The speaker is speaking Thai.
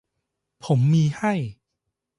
ผมมีให้